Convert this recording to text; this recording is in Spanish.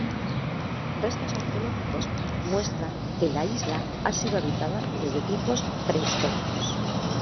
Restos arqueológicos muestran que la isla ha sido habitada desde tiempos prehistóricos.